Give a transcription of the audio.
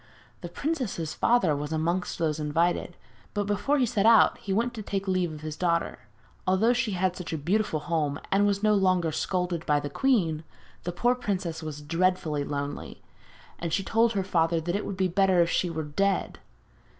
The princess's father was amongst those invited, but before he set out he went to take leave of his daughter. Although she had such a beautiful home, and was no longer scolded by the queen, the poor princess was dreadfully lonely, and she told her father that it would be better if she were dead.